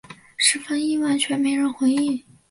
十分意外却没人回应